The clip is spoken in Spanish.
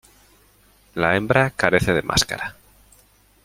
La hembra carece de máscara.